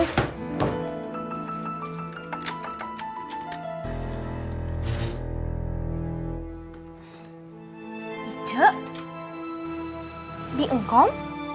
dicek di engkom